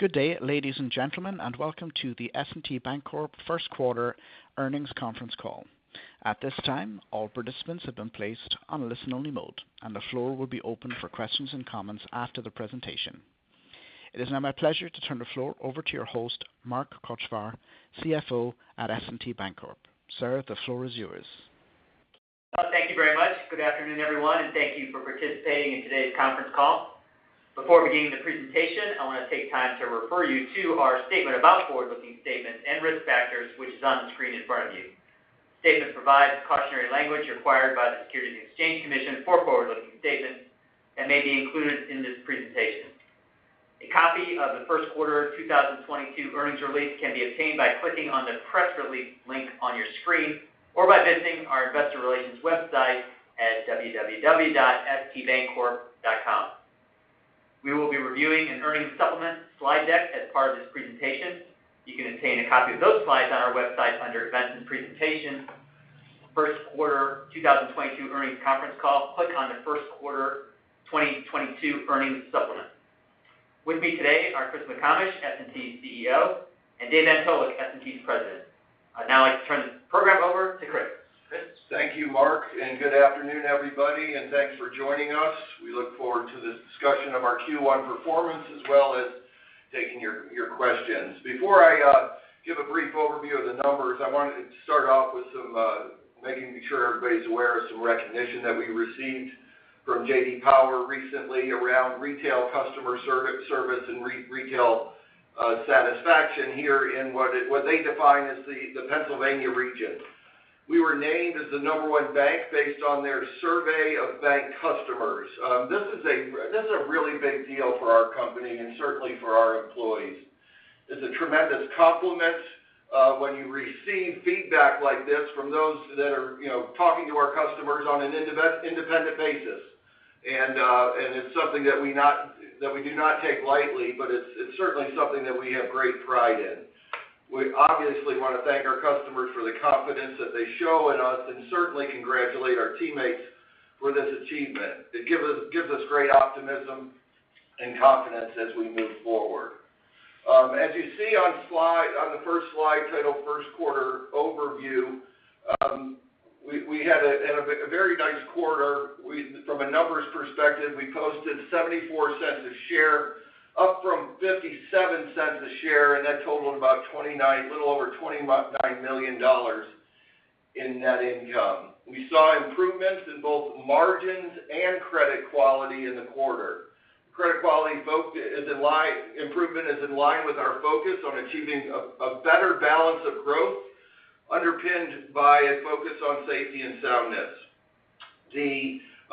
Good day, ladies and gentlemen, and welcome to the S&T Bancorp first quarter earnings conference call. At this time, all participants have been placed on listen-only mode, and the floor will be open for questions and comments after the presentation. It is now my pleasure to turn the floor over to your host, Mark Kochvar, CFO at S&T Bancorp. Sir, the floor is yours. Well, thank you very much. Good afternoon, everyone, and thank you for participating in today's conference call. Before beginning the presentation, I want to take time to refer you to our statement about forward-looking statements and risk factors, which is on the screen in front of you. The statement provides cautionary language required by the Securities and Exchange Commission for forward-looking statements that may be included in this presentation. A copy of the first quarter 2022 earnings release can be obtained by clicking on the press release link on your screen or by visiting our investor relations website at www.stbancorp.com. We will be reviewing an earnings supplement slide deck as part of this presentation. You can obtain a copy of those slides on our website under Events and Presentation. First quarter 2022 earnings conference call, click on the first quarter 2022 earnings supplement. With me today are Chris McComish, S&T's CEO, and Dave Antolik, S&T's President. I'd now like to turn the program over to Chris. Chris? Thank you, Mark, and good afternoon, everybody, and thanks for joining us. We look forward to this discussion of our Q1 performance as well as taking your questions. Before I give a brief overview of the numbers, I wanted to start off with some making sure everybody's aware of some recognition that we received from J.D. Power recently around retail customer service and retail satisfaction here in what they define as the Pennsylvania region. We were named as the number one bank based on their survey of bank customers. This is a really big deal for our company and certainly for our employees. It's a tremendous compliment when you receive feedback like this from those that are, you know, talking to our customers on an independent basis. It's something that we do not take lightly, but it's certainly something that we have great pride in. We obviously want to thank our customers for the confidence that they show in us and certainly congratulate our teammates for this achievement. It gives us great optimism and confidence as we move forward. As you see on the first slide titled first quarter Overview, we had a very nice quarter. From a numbers perspective, we posted $0.74 a share, up from $0.57 a share, and that totaled a little over $29 million in net income. We saw improvements in both margins and credit quality in the quarter. Credit quality improvement is in line with our focus on achieving a better balance of growth underpinned by a focus on safety and soundness.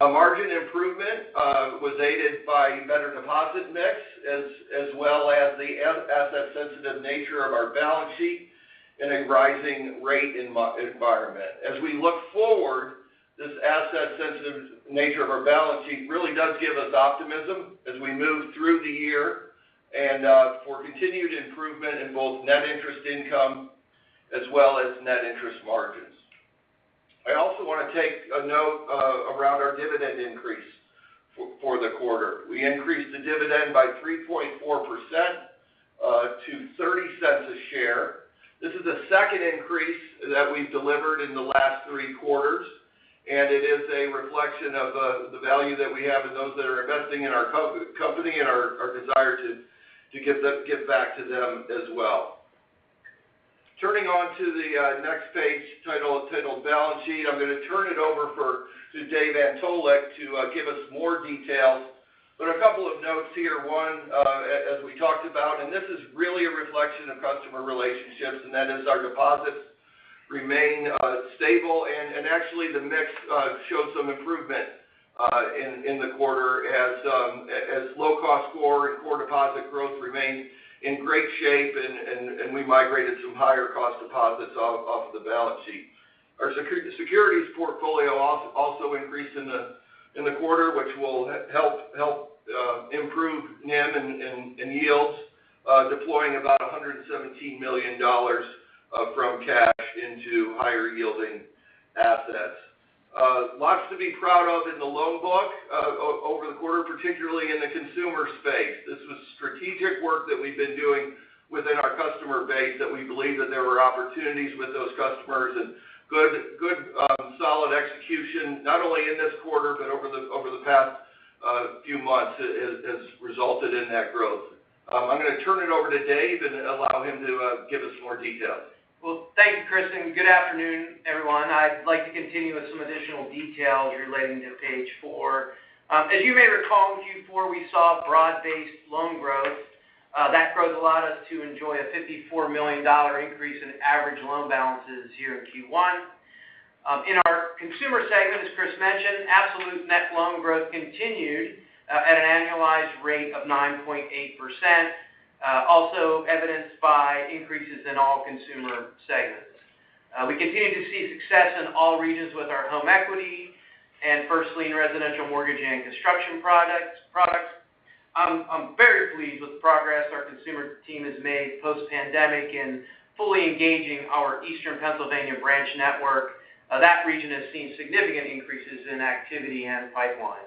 The margin improvement was aided by better deposit mix as well as the asset sensitive nature of our balance sheet in a rising rate environment. As we look forward, this asset sensitive nature of our balance sheet really does give us optimism as we move through the year and for continued improvement in both net interest income as well as net interest margins. I also want to take note around our dividend increase for the quarter. We increased the dividend by 3.4% to $0.30 a share. This is the second increase that we've delivered in the last three quarters, and it is a reflection of the value that we have in those that are investing in our company and our desire to give back to them as well. Turning to the next page titled Balance Sheet, I'm going to turn it over to Dave Antolik to give us more details. A couple of notes here. One, as we talked about, and this is really a reflection of customer relationships, and that is our deposits remain stable. Actually the mix showed some improvement in the quarter as low cost core deposit growth remained in great shape and we migrated some higher cost deposits off the balance sheet. Our securities portfolio also increased in the quarter, which will help improve NIM and yields, deploying about $117 million from cash into higher yielding assets. Lots to be proud of in the loan book over the quarter, particularly in the consumer space. This was strategic work that we've been doing within our customer base, that we believe that there were opportunities with those customers and good solid execution, not only in this quarter, but over the past few months has resulted in that growth. I'm going to turn it over to Dave and allow him to give us more details. Well, thank you, Chris, and good afternoon, everyone. I'd like to continue with some additional details relating to page four. As you may recall, in Q4 we saw broad-based loan growth. That growth allowed us to enjoy a $54 million increase in average loan balances here in Q1. In our consumer segment, as Chris mentioned, absolute net loan growth continued at an annualized rate of 9.8%, also evidenced by increases in all consumer segments. We continue to see success in all regions with our home equity and first lien residential mortgage and construction products. I'm very pleased with the progress our consumer team has made post-pandemic in fully engaging our Eastern Pennsylvania branch network. That region has seen significant increases in activity and pipeline.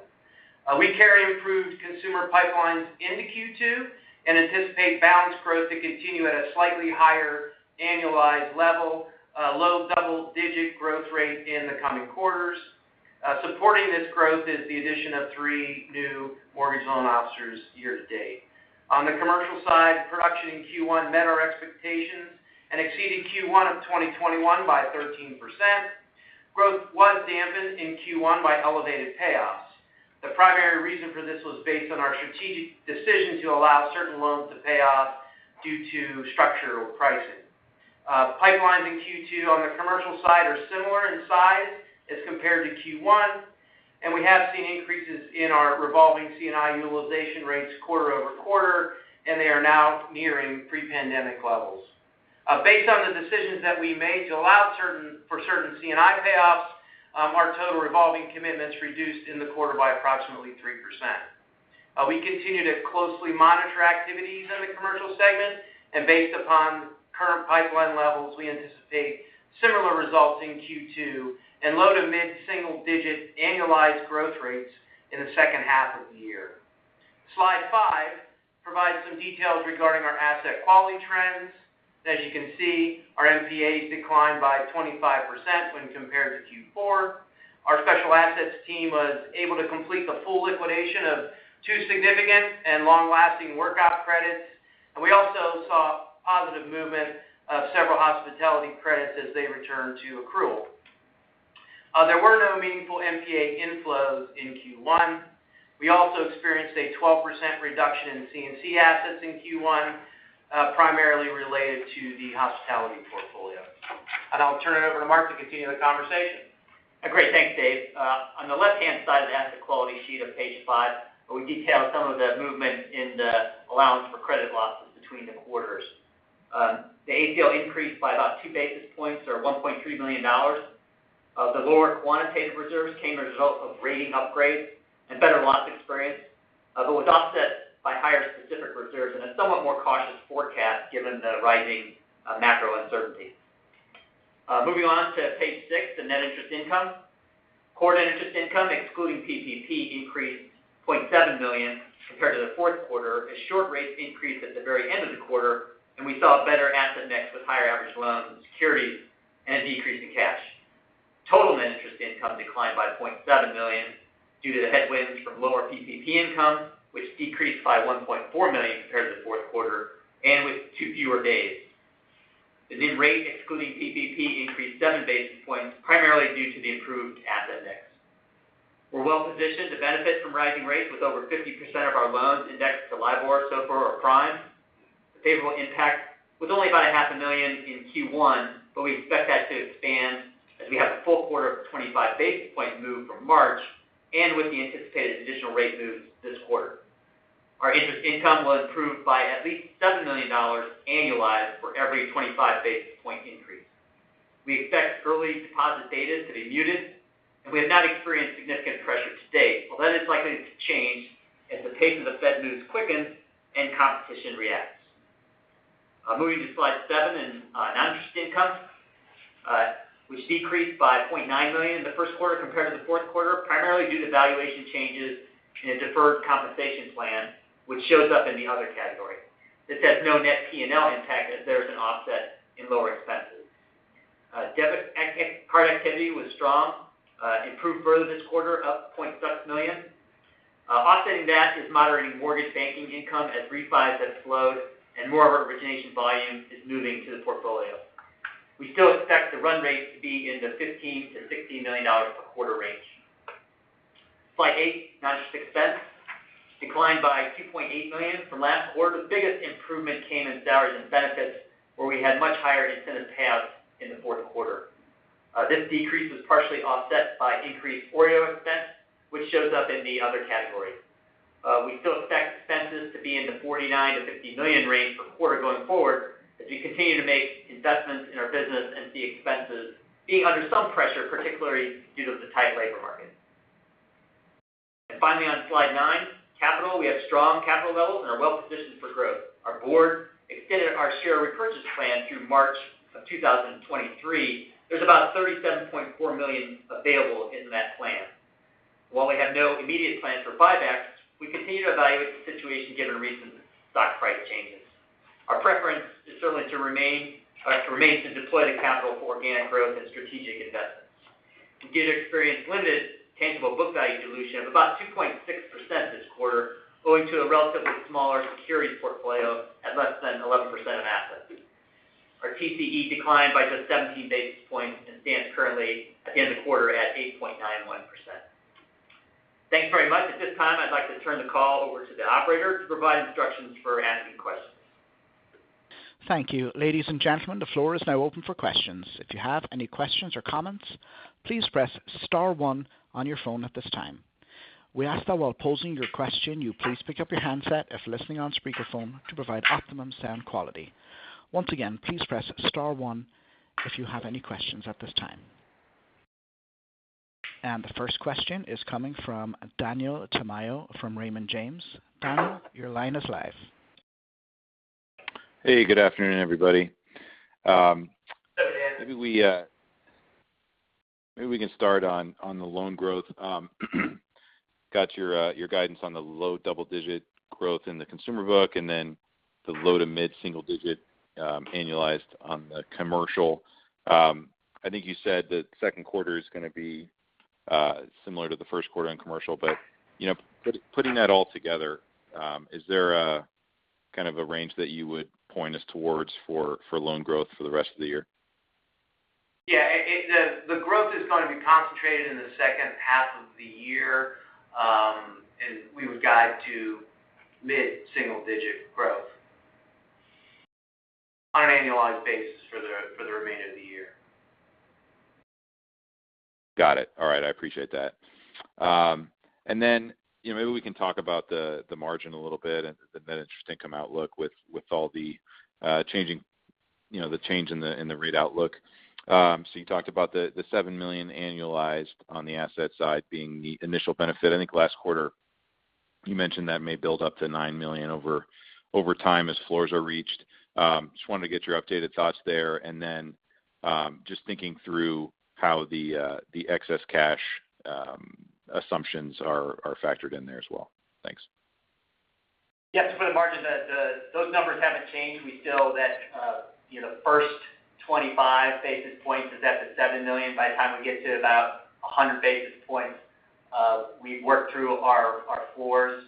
We carry improved consumer pipelines into Q2 and anticipate balanced growth to continue at a slightly higher annualized level, low double-digit growth rate in the coming quarters. Supporting this growth is the addition of three new mortgage loan officers year to date. On the commercial side, production in Q1 met our expectations and exceeded Q1 of 2021 by 13%. Growth was dampened in Q1 by elevated payoffs. The primary reason for this was based on our strategic decisions to allow certain loans to pay off due to structure or pricing. Pipelines in Q2 on the commercial side are similar in size as compared to Q1, and we have seen increases in our revolving C&I utilization rates quarter-over-quarter, and they are now nearing pre-pandemic levels. Based on the decisions that we made to allow for certain C&I payoffs, our total revolving commitments reduced in the quarter by approximately 3%. We continue to closely monitor activities in the commercial segment, and based upon current pipeline levels, we anticipate similar results in Q2 and low- to mid-single digit annualized growth rates in the second half of the year. Slide five provides some details regarding our asset quality trends. As you can see, our NPAs declined by 25% when compared to Q4. Our special assets team was able to complete the full liquidation of two significant and long-lasting workout credits, and we also saw positive movement of several hospitality credits as they return to accrual. There were no meaningful NPA inflows in Q1. We also experienced a 12% reduction in C&C assets in Q1, primarily related to the hospitality portfolio. I'll turn it over to Mark to continue the conversation. Great. Thanks, Dave. On the left-hand side of the asset quality sheet of page five, we detail some of the movement in the allowance for credit losses between the quarters. The ACL increased by about two basis points or $1.3 million. The lower quantitative reserves came as a result of rating upgrades and better loss experience, but was offset by higher specific reserves and a somewhat more cautious forecast given the rising macro uncertainties. Moving on to page six, the net interest income. Core net interest income, excluding PPP, increased $0.7 million compared to the fourth quarter as short rates increased at the very end of the quarter, and we saw a better asset mix with higher average loans and securities and a decrease in cash. Total net interest income declined by $0.7 million due to the headwinds from lower PPP income, which decreased by $1.4 million compared to the fourth quarter and with two fewer days. The NIM, excluding PPP, increased seven basis points, primarily due to the improved asset mix. We're well-positioned to benefit from rising rates with over 50% of our loans indexed to LIBOR, SOFR or prime. The favorable impact was only about half a million in Q1, but we expect that to expand as we have the full quarter of the 25 basis point move from March and with the anticipated additional rate moves this quarter. Our interest income will improve by at least $7 million annualized for every 25 basis point increase. We expect early deposit data to be muted, and we have not experienced significant pressure to date, but that is likely to change as the pace of the Fed moves quickens and competition reacts. Moving to slide seven in non-interest income, which decreased by $0.9 million in the first quarter compared to the fourth quarter, primarily due to valuation changes in a deferred compensation plan, which shows up in the other category. This has no net P&L impact as there is an offset in lower expenses. Debit card activity was strong, improved further this quarter, up $0.6 million. Offsetting that is moderating mortgage banking income as refis have slowed and more of our origination volume is moving to the portfolio. We still expect the run rate to be in the $15 million-$16 million per quarter range. Slide eight, non-interest expense declined by $2.8 million from last quarter. The biggest improvement came in salaries and benefits, where we had much higher incentive payouts in the fourth quarter. This decrease was partially offset by increased OREO expense, which shows up in the other category. We still expect expenses to be in the $49 million-$50 million range per quarter going forward as we continue to make investments in our business and see expenses being under some pressure, particularly due to the tight labor market. On slide nine, capital. We have strong capital levels and are well-positioned for growth. Our board extended our share repurchase plan through March of 2023. There's about $37.4 million available in that plan. While we have no immediate plans for buybacks, we continue to evaluate the situation given recent stock price changes. Our preference is certainly to remains to deploy the capital for organic growth and strategic investments. We did experience limited tangible book value dilution of about 2.6% this quarter, owing to a relatively smaller securities portfolio at less than 11% of assets. Our TCE declined by just 17 basis points and stands currently at the end of the quarter at 8.91%. Thanks very much. At this time, I'd like to turn the call over to the operator to provide instructions for asking questions. Thank you. Ladies and gentlemen, the floor is now open for questions. If you have any questions or comments, please press star one on your phone at this time. We ask that while posing your question, you please pick up your handset if listening on speakerphone to provide optimum sound quality. Once again, please press star one if you have any questions at this time. The first question is coming from Daniel Tamayo from Raymond James. Daniel, your line is live. Hey, good afternoon, everybody. Hey, Dan. Maybe we can start on the loan growth. Got your guidance on the low double-digit growth in the consumer book, and then the low to mid-single digit annualized on the commercial. I think you said that second quarter is going to be similar to the first quarter in commercial. You know, putting that all together, is there a kind of a range that you would point us towards for loan growth for the rest of the year? Yeah. The growth is going to be concentrated in the second half of the year. We would guide to mid-single-digit growth on an annualized basis for the remainder of the year. Got it. All right. I appreciate that. You know, maybe we can talk about the margin a little bit and the net interest income outlook with all the changing, you know, the change in the rate outlook. You talked about the $7 million annualized on the asset side being the initial benefit. I think last quarter you mentioned that may build up to $9 million over time as floors are reached. Just wanted to get your updated thoughts there. Just thinking through how the excess cash assumptions are factored in there as well. Thanks. Yeah. For the margin, the those numbers haven't changed. We still that, you know, first 25 basis points is at the $7 million. By the time we get to about 100 basis points, we've worked through our our floors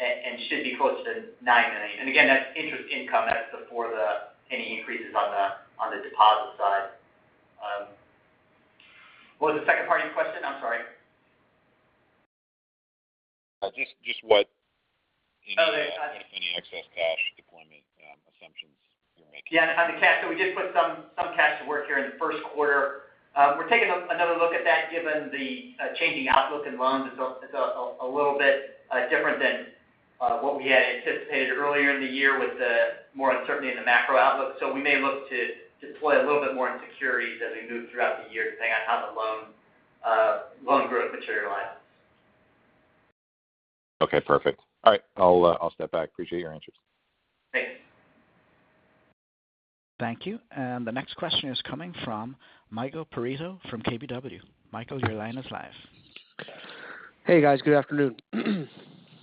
and should be closer to $9 million. Again, that's interest income. That's before any increases on the on the deposit side. What was the second part of your question? I'm sorry. Just what- Oh, yeah. Any excess cash deployment assumptions you're making? Yeah. On the cash. We did put some cash to work here in the first quarter. We're taking another look at that given the changing outlook in loans. It's a little bit different than what we had anticipated earlier in the year with the more uncertainty in the macro outlook. We may look to deploy a little bit more in securities as we move throughout the year, depending on how the loan growth materializes. Okay, perfect. All right. I'll step back. Appreciate your answers. Thanks. Thank you. The next question is coming from Michael Perito from KBW. Michael, your line is live. Hey, guys. Good afternoon.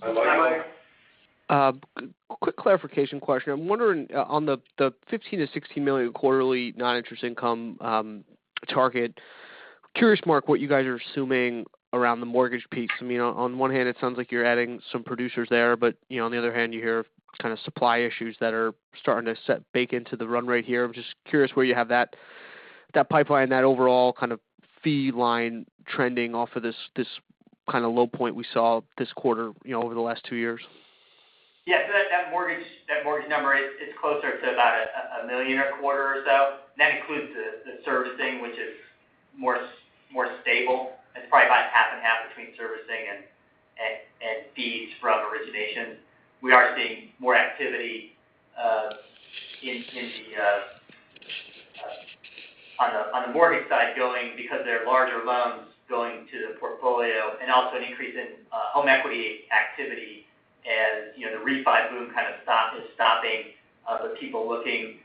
Hi, Mike. Quick clarification question. I'm wondering on the $15 million-$16 million quarterly non-interest income target. Curious, Mark, what you guys are assuming around the mortgage piece. I mean, on one hand it sounds like you're adding some producers there, but you know, on the other hand, you hear kind of supply issues that are starting to bake into the run rate here. I'm just curious where you have that pipeline, that overall kind of fee line trending off of this kind of low point we saw this quarter, you know, over the last two years. That mortgage number is closer to about $1 million a quarter or so. That includes the servicing, which is more stable. It's probably about half and half between servicing and fees from origination. We are seeing more activity on the mortgage side because there are larger loans going to the portfolio and also an increase in home equity activity. As you know, the refi boom kind of is stopping, the people looking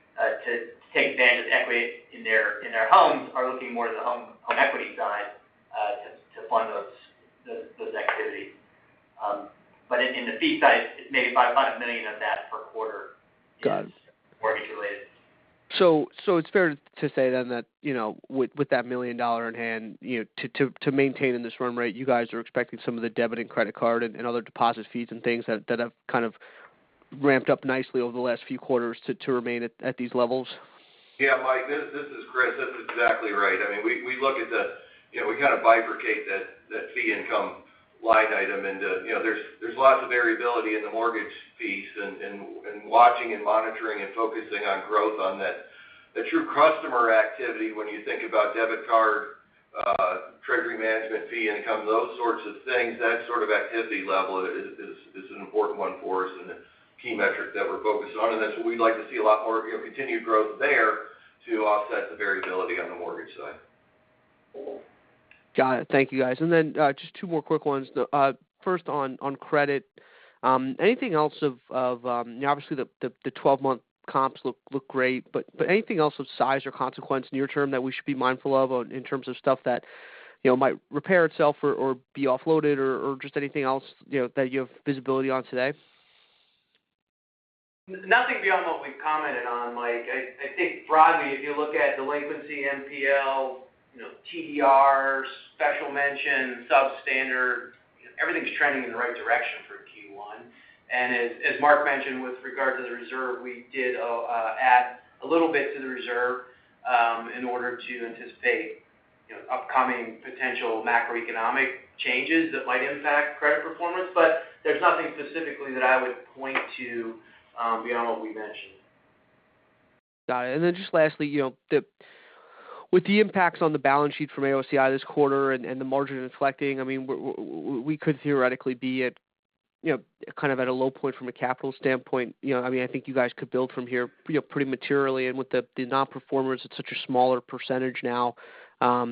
to take advantage of equity in their homes are looking more to the home equity side to fund those activities. In the fee side, it may be about $5 million of that per quarter. Got it. mortgage related. It's fair to say then that, you know, with that $1 million in hand, you know, to maintain this run rate, you guys are expecting some of the debit and credit card and other deposit fees and things that have kind of ramped up nicely over the last few quarters to remain at these levels? Yeah. Mike, this is Chris. That's exactly right. I mean, we look at the, you know, we kind of bifurcate that fee income line item into, you know, there's lots of variability in the mortgage fees and watching and monitoring and focusing on growth on that. The true customer activity, when you think about debit card, treasury management fee income, those sorts of things, that sort of activity level is an important one for us and a key metric that we're focused on. That's what we'd like to see a lot more, you know, continued growth there to offset the variability on the mortgage side. Got it. Thank you, guys. Just two more quick ones. The first on credit, anything else, you know, obviously the 12-month comps look great, but anything else of size or consequence near term that we should be mindful of in terms of stuff that, you know, might repair itself or be offloaded or just anything else, you know, that you have visibility on today? Nothing beyond what we've commented on, Mike. I think broadly, if you look at delinquency NPL, you know, TDR, special mention, substandard, everything's trending in the right direction for Q1. As Mark mentioned with regard to the reserve, we did add a little bit to the reserve in order to anticipate, you know, upcoming potential macroeconomic changes that might impact credit performance. There's nothing specifically that I would point to beyond what we mentioned. Got it. Just lastly, you know, with the impacts on the balance sheet from AOCI this quarter and the margin inflecting, I mean, we could theoretically be at, you know, kind of at a low point from a capital standpoint. You know, I mean, I think you guys could build from here, you know, pretty materially. With the non-performers, it's such a smaller percentage now. Do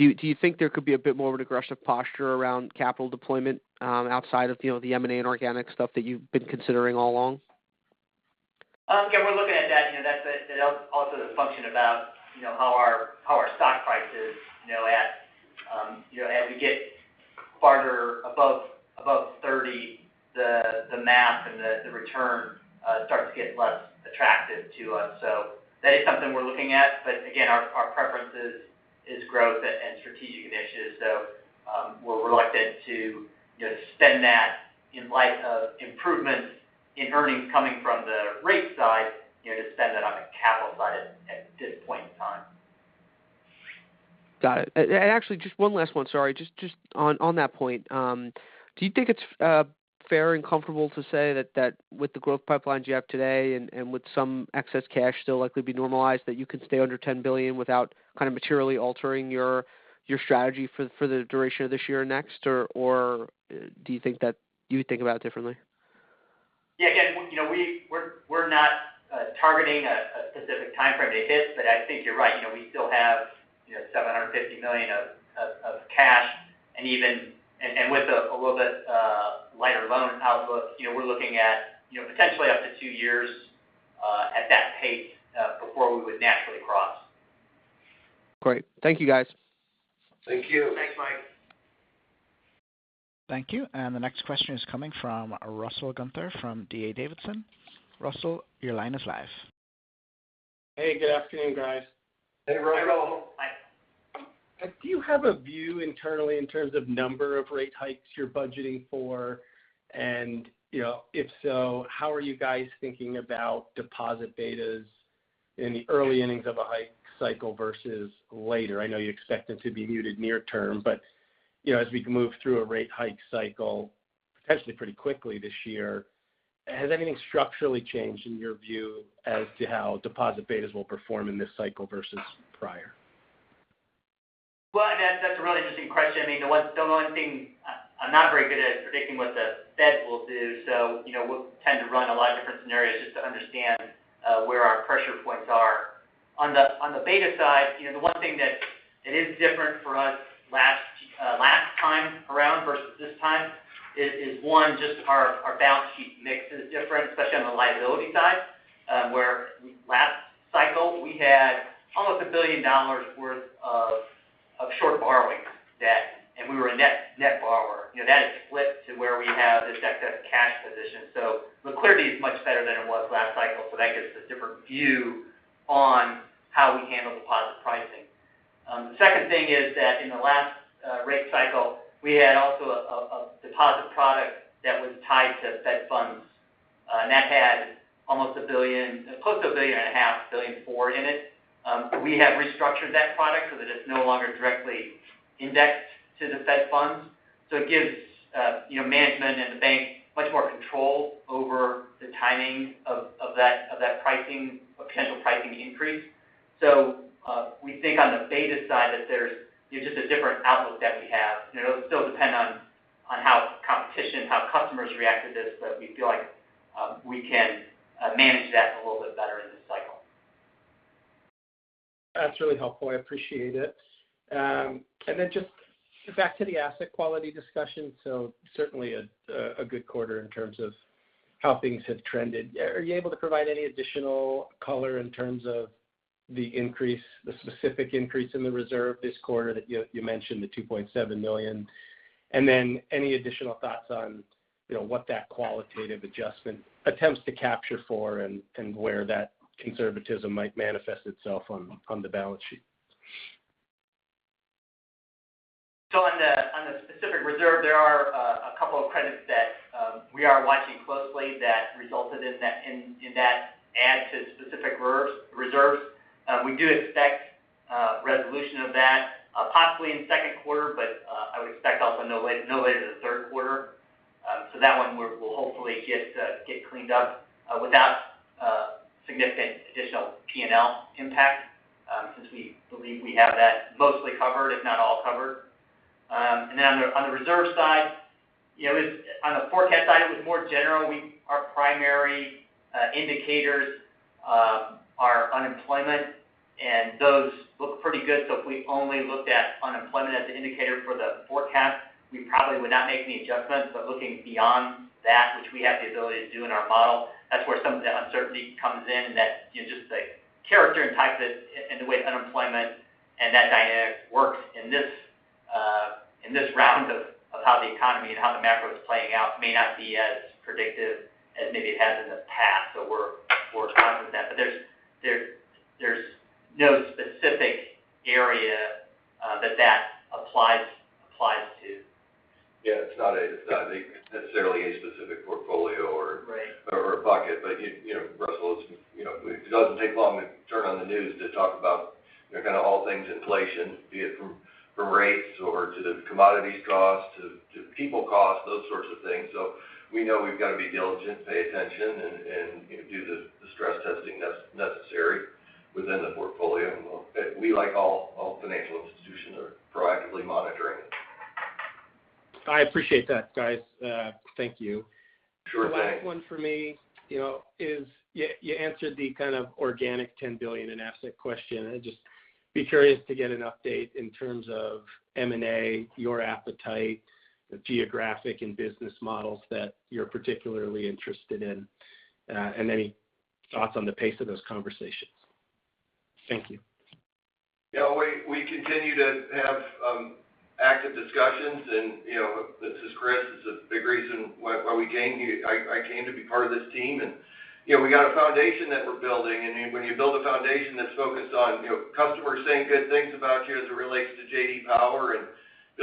you think there could be a bit more of an aggressive posture around capital deployment, outside of, you know, the M&A and organic stuff that you've been considering all along? Again, we're looking at that. You know, that's also a function about, you know, how our stock price is, you know, at, you know, as we get farther above 30, the math and the return starts to get less attractive to us. So that is something we're looking at. But again, our preference is growth and strategic initiatives. So, we're reluctant to, you know, spend that in light of improvements in earnings coming from the rate side, you know, to spend that on the capital side at this point in time. Got it. Actually, just one last one. Sorry. Just on that point. Do you think it's fair and comfortable to say that with the growth pipelines you have today and with some excess cash still likely to be normalized, that you can stay under $10 billion without kind of materially altering your strategy for the duration of this year or next, or do you think that you would think about it differently? Yeah. Again, you know, we're not targeting a specific timeframe to hit, but I think you're right. You know, we still have, you know, $750 million of cash. With a little bit lighter loan outlook, you know, we're looking at, you know, potentially up to two years at that pace before we would naturally cross. Great. Thank you, guys. Thank you. Thanks, Mike. Thank you. The next question is coming from Russell Gunther from D.A. Davidson. Russell, your line is live. Hey, Good afternoon, guys. Hey, Russell. Hi, Russell. Hi. Do you have a view internally in terms of number of rate hikes you're budgeting for? You know, if so, how are you guys thinking about deposit betas in the early innings of a hike cycle versus later? I know you expect them to be muted near term, but, you know, as we move through a rate hike cycle potentially pretty quickly this year, has anything structurally changed in your view as to how deposit betas will perform in this cycle versus prior? Well, that's a really interesting question. I mean, the only thing I'm not very good at is predicting what the Fed will do. You know, we'll tend to run a lot of different scenarios just to understand where our pressure points are. On the beta side, you know, the one thing that is different for us last time around versus this time is one, just our balance sheet mix is different, especially on the liability side, where last cycle we had almost $1 billion worth of short borrowings debt, and we were a net borrower. You know, that has flipped to where we have this excess cash position. The clarity is much better than it was last cycle. That gives us a different view on how we handle deposit pricing. The second thing is that in the last rate cycle, we had also a deposit product that was tied to Fed funds, and that had almost $1 billion, close to $1.5 billion, $1.4 billion in it. We have restructured that product so that it's no longer directly indexed to the Fed funds. It gives, you know, management and the bank much more control over the timing of that pricing, a potential pricing increase. We think on the beta side that there's just a different outlook that we have. You know, it'll still depend on how competition, how customers react to this, but we feel like we can manage that a little bit better in this cycle. That's really helpful. I appreciate it. Just back to the asset quality discussion. Certainly a good quarter in terms of how things have trended. Are you able to provide any additional color in terms of the increase, the specific increase in the reserve this quarter that you mentioned, the $2.7 million? Any additional thoughts on, you know, what that qualitative adjustment attempts to capture for and where that conservatism might manifest itself on the balance sheet? On the specific reserve, there are a couple of credits that we are watching closely that resulted in that add to specific reserves. We do expect resolution of that possibly in second quarter, but I would expect also no later than third quarter. That one we'll hopefully get cleaned up without significant additional P&L impact, since we believe we have that mostly covered, if not all covered. On the reserve side, you know. On the forecast side, it was more general. Our primary indicators are unemployment, and those look pretty good. If we only looked at unemployment as the indicator for the forecast, we probably would not make any adjustments. Looking beyond that, which we have the ability to do in our model, that's where some of the uncertainty comes in. That's, you know, just the character and type that and the way unemployment and that dynamic works in this in this round of how the economy and how the macro is playing out may not be as predictive as maybe it has in the past. We're conscious of that. There's no specific area that that applies to. Yeah. It's not necessarily a specific portfolio or Right. A bucket. You know, Russell, it's, you know, it doesn't take long to turn on the news to talk about, you know, kind of all things inflation, be it from rates or to the commodities costs to people costs, those sorts of things. We know we've got to be diligent, pay attention and, you know, do the stress testing necessary within the portfolio. We, like all financial institutions, are proactively monitoring it. I appreciate that, guys. Thank you. Sure thing. Last one for me, you know, is you answered the kind of organic $10 billion in assets question. I'm just curious to get an update in terms of M&A, your appetite, the geographic and business models that you're particularly interested in, and any thoughts on the pace of those conversations. Thank you. Yeah. We continue to have active discussions and, you know, this is Chris. It's a big reason why we came here. I came to be part of this team. You know, we got a foundation that we're building. When you build a foundation that's focused on, you know, customers saying good things about you as it relates to J.D. Power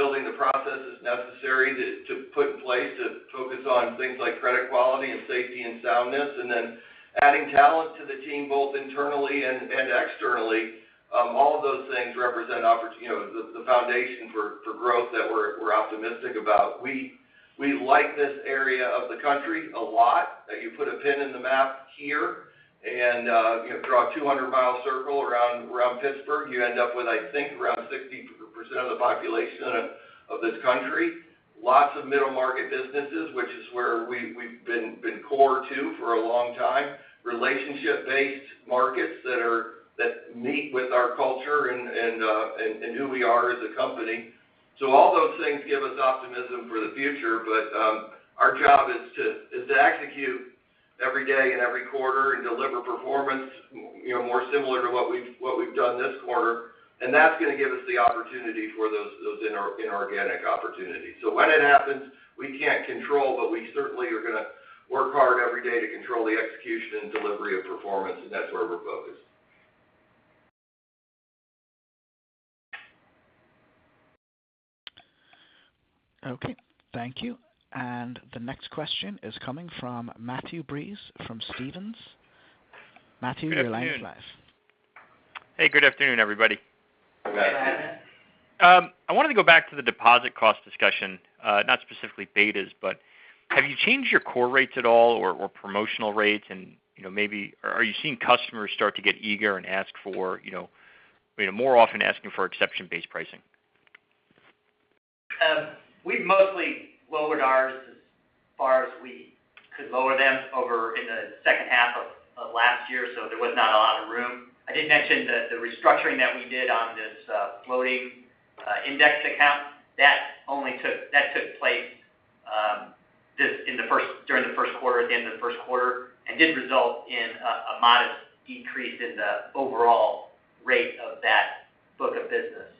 and building the processes necessary to put in place to focus on things like credit quality and safety and soundness, and then adding talent to the team, both internally and externally. All of those things represent, you know, the foundation for growth that we're optimistic about. We like this area of the country a lot. Like, you put a pin in the map here and, you know, draw a 200-mile circle around Pittsburgh, you end up with, I think, around 60% of the population of this country. Lots of middle market businesses, which is where we've been core to for a long time. Relationship based markets that meet with our culture and who we are as a company. All those things give us optimism for the future. Our job is to execute every day and every quarter and deliver performance, you know, more similar to what we've done this quarter. That's going to give us the opportunity for those inorganic opportunities. When it happens, we can't control, but we certainly are going to work hard every day to control the execution and delivery of performance, and that's where we're focused. Okay. Thank you. The next question is coming from Matthew Breese from Stephens. Matthew, your line is live. Hey, good afternoon, everybody. Good afternoon. I wanted to go back to the deposit cost discussion, not specifically betas, but have you changed your core rates at all or promotional rates? You know, maybe are you seeing customers start to get eager and ask for, you know, more often asking for exception-based pricing? We've mostly lowered ours as far as we could lower them over in the second half of last year, so there was not a lot of room. I did mention the restructuring that we did on this floating index account that took place during the first quarter, at the end of the first quarter, and did result in a modest decrease in the overall rate of that book of business.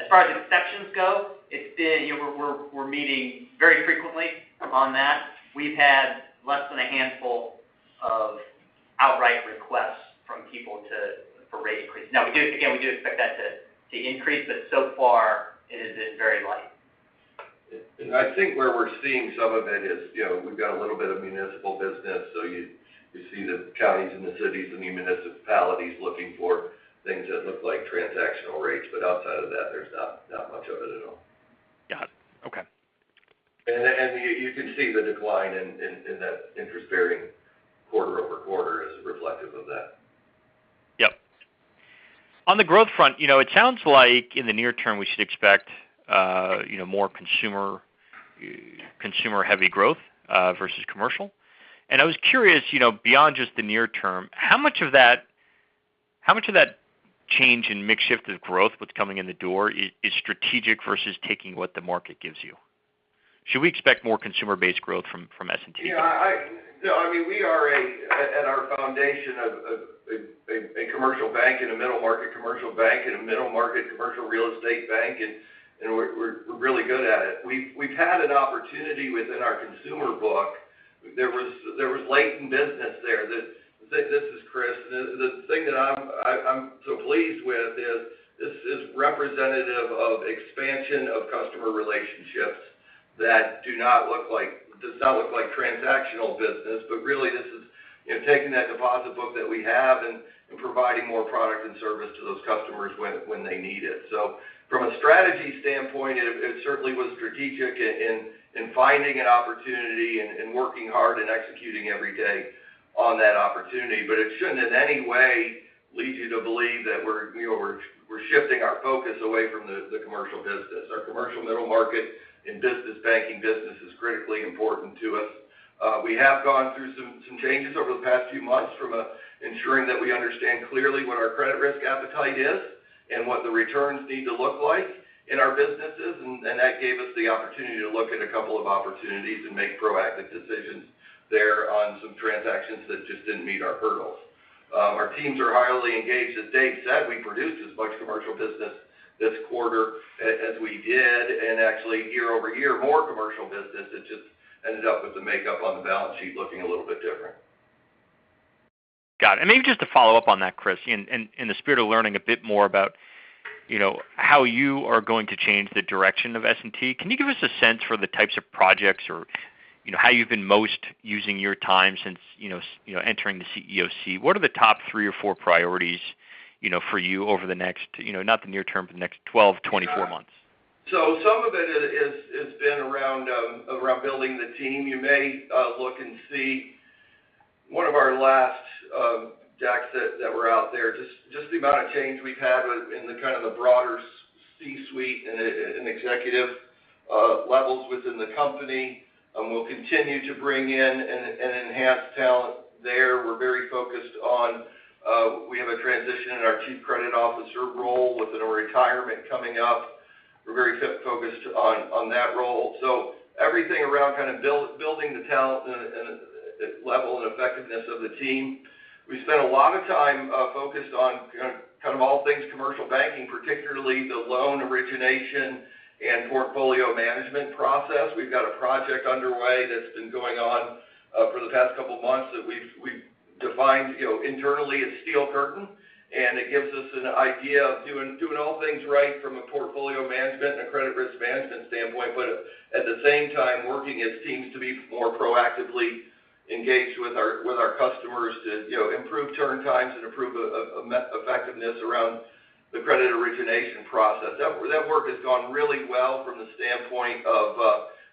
As far as exceptions go, it's been, you know, we're meeting very frequently on that. We've had less than a handful of outright requests from people for rate increases. Now, again, we do expect that to increase, but so far it has been very light. I think where we're seeing some of it is, you know, we've got a little bit of municipal business. You see the counties and the cities and municipalities looking for things that look like transactional rates. Outside of that, there's not much of it at all. Got it. Okay. You can see the decline in that interest-bearing quarter-over-quarter as reflective of that. Yep. On the growth front, you know, it sounds like in the near term we should expect more consumer heavy growth versus commercial. I was curious, you know, beyond just the near term, how much of that change in mix shift of growth, what's coming in the door is strategic versus taking what the market gives you? Should we expect more consumer-based growth from S&T? Yeah, no, I mean, we are, at our foundation, a commercial bank and a middle market commercial bank and a middle market commercial real estate bank. We're really good at it. We've had an opportunity within our consumer book. There was latent business there. This is Chris McComish. The thing that I'm so pleased with is this is representative of expansion of customer relationships that does not look like transactional business. Really this is, you know, taking that deposit book that we have and providing more product and service to those customers when they need it. From a strategy standpoint, it certainly was strategic in finding an opportunity and working hard and executing every day on that opportunity. It shouldn't in any way lead you to believe that we're, you know, shifting our focus away from the commercial business. Our commercial middle market and business banking business is critically important to us. We have gone through some changes over the past few months from ensuring that we understand clearly what our credit risk appetite is and what the returns need to look like in our businesses. That gave us the opportunity to look at a couple of opportunities and make proactive decisions there on some transactions that just didn't meet our hurdles. Our teams are highly engaged. As Dave said, we produced as much commercial business this quarter as we did and actually year-over-year, more commercial business. It just ended up with the makeup on the balance sheet looking a little bit different. Got it. Maybe just to follow up on that, Chris, in the spirit of learning a bit more about, you know, how you are going to change the direction of S&T, can you give us a sense for the types of projects or, you know, how you've been most using your time since you know entering the CEO seat? What are the top three or four priorities, you know, for you over the next, you know, not the near term, but the next 12, 24 months? Some of it has been around building the team. You may look and see one of our last decks that were out there, just the amount of change we've had with kind of the broader C-suite and executive levels within the company. We'll continue to bring in and enhance talent there. We have a transition in our Chief Credit Officer role with a retirement coming up. We're very focused on that role. Everything around kind of building the talent and the level and effectiveness of the team. We spent a lot of time focused on kind of all things commercial banking, particularly the loan origination and portfolio management process. We've got a project underway that's been going on for the past couple months that we've defined, you know, internally as Steel Curtain, and it gives us an idea of doing all things right from a portfolio management and a credit risk management standpoint, but at the same time, working as teams to be more proactively engaged with our customers to, you know, improve turn times and improve effectiveness around the credit origination process. That work has gone really well from the standpoint of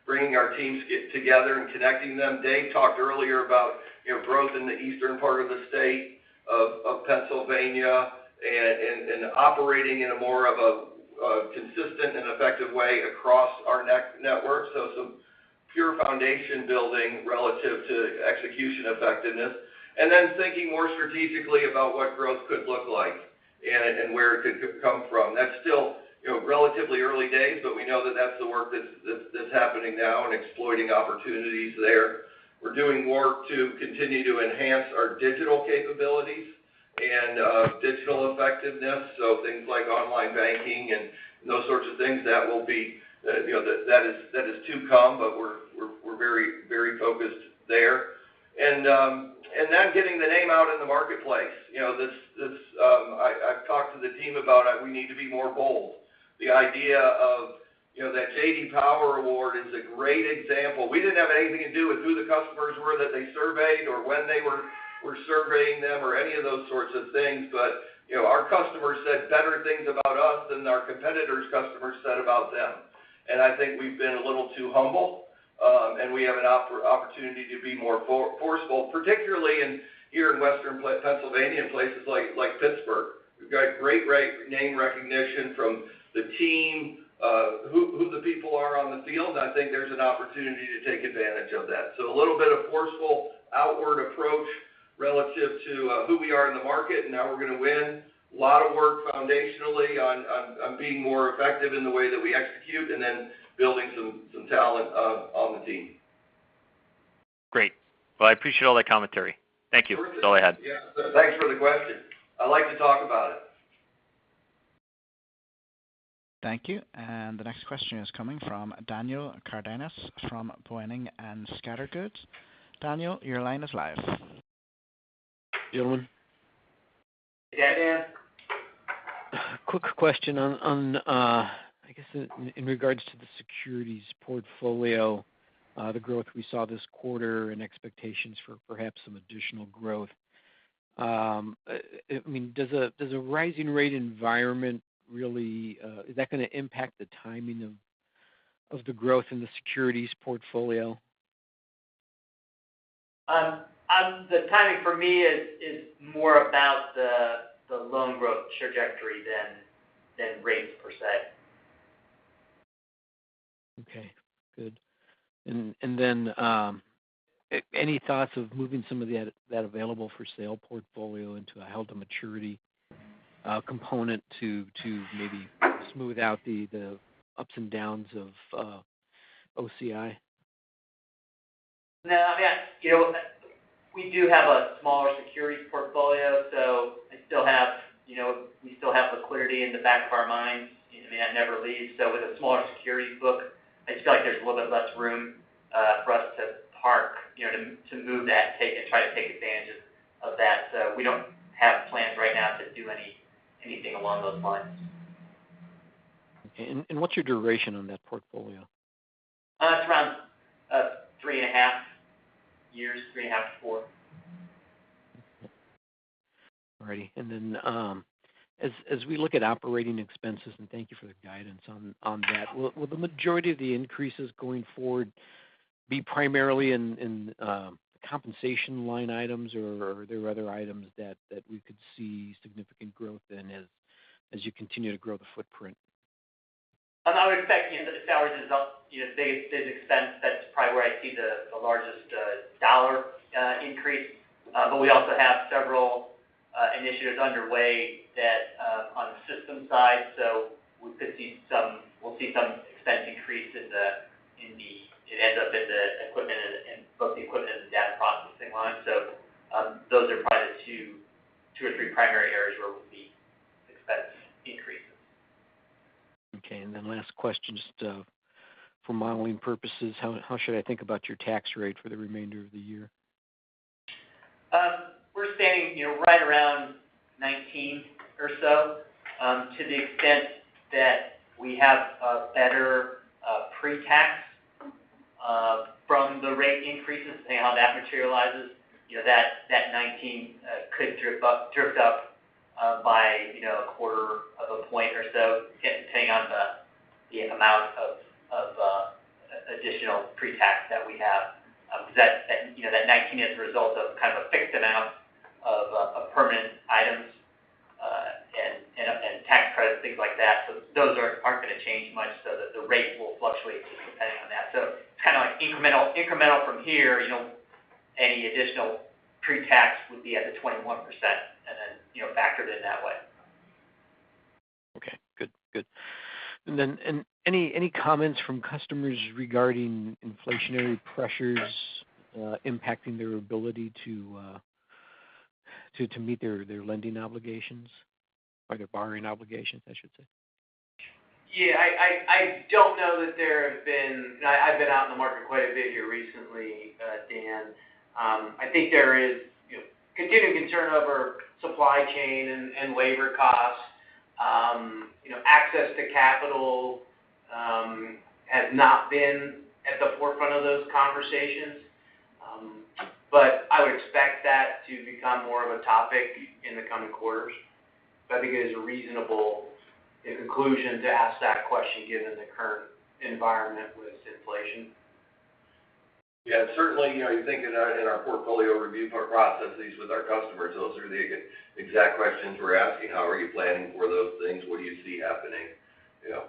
bringing our teams together and connecting them. Dave talked earlier about, you know, growth in the eastern part of the state of Pennsylvania and operating in more of a consistent and effective way across our network. Some pure foundation building relative to execution effectiveness. Thinking more strategically about what growth could look like and where it could come from. That's still relatively early days, but we know that that's the work that's happening now and exploiting opportunities there. We're doing more to continue to enhance our digital capabilities and digital effectiveness, so things like online banking and those sorts of things that is to come, but we're very focused there. Getting the name out in the marketplace. This I've talked to the team about it. We need to be more bold. The idea of that J.D. Power Award is a great example. We didn't have anything to do with who the customers were that they surveyed or when they were surveying them or any of those sorts of things. You know, our customers said better things about us than our competitors' customers said about them. I think we've been a little too humble, and we have an opportunity to be more forceful, particularly here in Western Pennsylvania, in places like Pittsburgh. We've got great name recognition from the team, who the people are on the field. I think there's an opportunity to take advantage of that. A little bit of forceful outward approach relative to who we are in the market and how we're gonna win. A lot of work foundationally on being more effective in the way that we execute and then building some talent on the team. Great. Well, I appreciate all that commentary. Thank you. Perfect. That's all I had. Yeah. Thanks for the question. I like to talk about it. Thank you. The next question is coming from Daniel Cardenas from Boenning & Scattergood. Daniel, your line is live. Good morning. Yeah, Dan. A quick question on, I guess, in regards to the securities portfolio, the growth we saw this quarter and expectations for perhaps some additional growth. I mean, does a rising rate environment really? Is that gonna impact the timing of the growth in the securities portfolio? The timing for me is more about the loan growth trajectory than rates per se. Okay, good. Any thoughts of moving some of that available-for-sale portfolio into a held-to-maturity component to maybe smooth out the ups and downs of OCI? No, I mean, you know, we do have a smaller security portfolio, so I still have, you know, we still have the clarity in the back of our minds. I mean, that never leaves. With a smaller security book, I just feel like there's a little bit less room for us to park, you know, to move that take and try to take advantage of that. We don't have plans right now to do anything along those lines. Okay. What's your duration on that portfolio? It's around 3.5 years, 3.5 to four. All righty. As we look at operating expenses, and thank you for the guidance on that, will the majority of the increases going forward be primarily in compensation line items, or are there other items that we could see significant growth in as you continue to grow the footprint? I would expect, you know, the salaries is up, you know, they've expensed. That's probably where I see the largest dollar increase. But we also have several initiatives underway that on the system side, so we'll see some expense increase. It ends up in the equipment and both the equipment and data processing line. Those are probably the two or three primary areas where we'll see expense increases. Okay. Last question. Just, for modeling purposes, how should I think about your tax rate for the remainder of the year? We're staying, you know, right around 19% or so, to the extent that we have a better pre-tax from the rate increases, depending on how that materializes. You know, that 19% could drift up by, you know, a quarter of a point or so, depending on the amount of Additional pretax that we have, that you know that 19% is a result of kind of a fixed amount of permanent items and tax credits, things like that. Those aren't gonna change much, so the rate will fluctuate depending on that. It's kind of like incremental from here. You know, any additional pretax would be at the 21% and then, you know, factored in that way. Okay. Good. Good. Any comments from customers regarding inflationary pressures, impacting their ability to meet their lending obligations or their borrowing obligations, I should say? Yeah. I don't know that there have been. I've been out in the market quite a bit here recently, Dan. I think there is, you know, continuing concern over supply chain and labor costs. You know, access to capital has not been at the forefront of those conversations. I would expect that to become more of a topic in the coming quarters. I think it is a reasonable conclusion to ask that question given the current environment with inflation. Yeah. Certainly, you know, you think in our portfolio review processes with our customers, those are the exact questions we're asking. How are you planning for those things? What do you see happening? You know.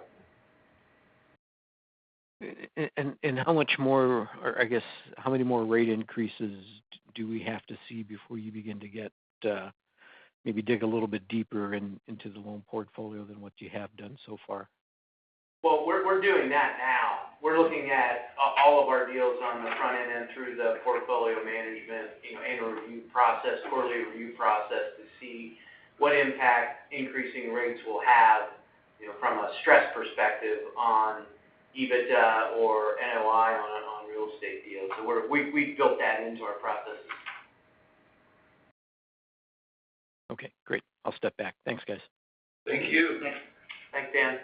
How much more or I guess how many more rate increases do we have to see before you begin to get maybe dig a little bit deeper into the loan portfolio than what you have done so far? Well, we're doing that now. We're looking at all of our deals on the front end and through the portfolio management, you know, annual review process, quarterly review process to see what impact increasing rates will have, you know, from a stress perspective on EBITDA or NOI on real estate deals. We built that into our processes. Okay, great. I'll step back. Thanks, guys. Thank you. Yeah. Thanks, Dan.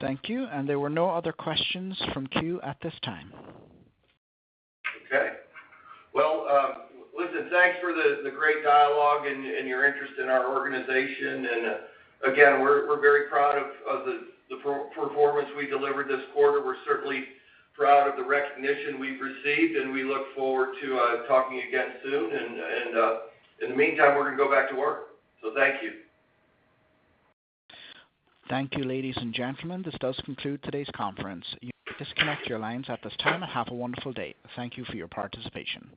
Thank you. There were no other questions from queue at this time. Okay. Well, listen, thanks for the great dialogue and your interest in our organization. Again, we're very proud of the performance we delivered this quarter. We're certainly proud of the recognition we've received, and we look forward to talking again soon. In the meantime, we're gonna go back to work. Thank you. Thank you, ladies and gentlemen. This does conclude today's conference. You may disconnect your lines at this time, and have a wonderful day. Thank you for your participation.